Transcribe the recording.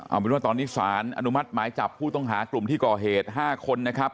เอาเป็นว่าตอนนี้สารอนุมัติหมายจับผู้ต้องหากลุ่มที่ก่อเหตุ๕คนนะครับ